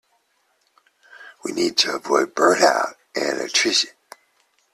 We need to avoid burnout and attrition.